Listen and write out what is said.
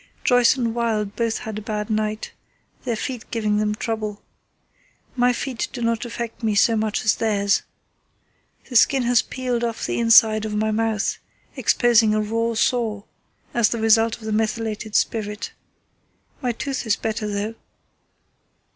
Joyce and Wild both had a bad night, their feet giving them trouble. My feet do not affect me so much as theirs. The skin has peeled off the inside of my mouth, exposing a raw sore, as the result of the methylated spirit. My tooth is better though.